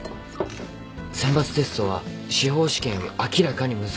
選抜テストは司法試験より明らかに難しい